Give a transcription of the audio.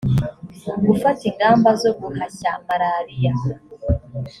gufata ingamba zo guhashya malaria